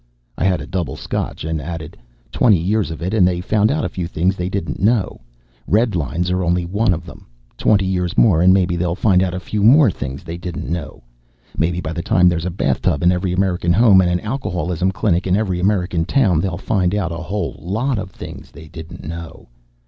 I had a double scotch and added: "Twenty years of it and they found out a few things they didn't know. Redlines are only one of them. Twenty years more, maybe they'll find out a few more things they didn't know. Maybe by the time there's a bathtub in every American home and an alcoholism clinic in every American town, they'll find out a whole lot of things they didn't know.